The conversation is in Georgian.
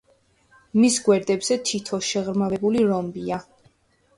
მის გვერდებზე თითო შეღრმავებული რომბია.